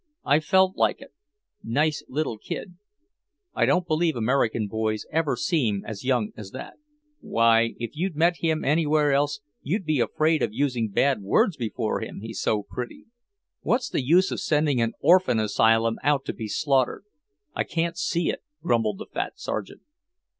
I felt like it. Nice little kid. I don't believe American boys ever seem as young as that." "Why, if you met him anywhere else, you'd be afraid of using bad words before him, he's so pretty! What's the use of sending an orphan asylum out to be slaughtered? I can't see it," grumbled the fat sergeant.